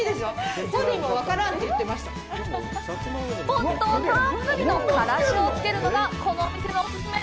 ポン酢とたっぷりのからしをつけるのがこの店のオススメ！